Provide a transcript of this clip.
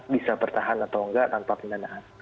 bisa bertahan atau enggak tanpa pendanaan